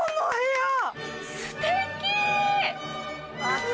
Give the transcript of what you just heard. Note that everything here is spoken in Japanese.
すてき！